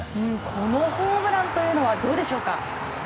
このホームランというのはどうでしょうか？